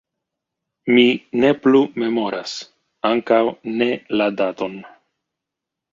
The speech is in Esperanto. Mi ne plu memoras, ankaŭ ne la daton.